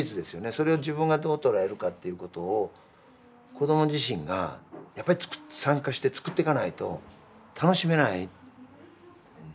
それを自分がどう捉えるかっていうことを子ども自身がやっぱり参加して作っていかないと楽しめない。